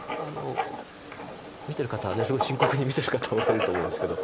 見てる方はすごい深刻に見てる方おられると思うんですけど。